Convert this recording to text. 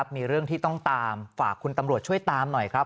มีเรื่องที่ต้องตามฝากคุณตำรวจช่วยตามหน่อยครับ